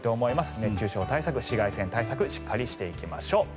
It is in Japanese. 熱中症対策、紫外線対策しっかりしていきましょう。